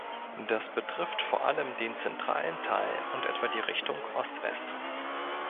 Das betrifft vor allem den zentralen Teil und etwa die Richtung Ost-West.